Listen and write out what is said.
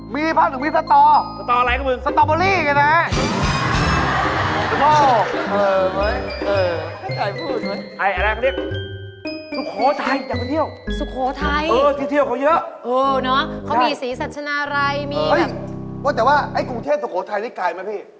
มีสตอกินด้วย